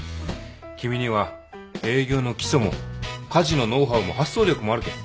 君には営業の基礎も家事のノウハウも発想力もあるけん。